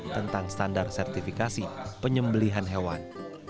tentang standar sertifikasi penyembelihan hewan